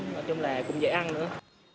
nói chung là cũng dễ ăn nữa